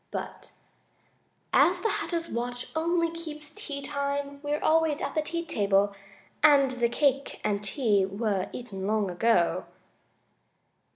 "But as the Hatter's watch only keeps tea time we're always at the tea table, and the cake and tea were eaten long ago."